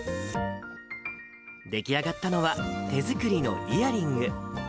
出来上がったのは、手作りのイヤリング。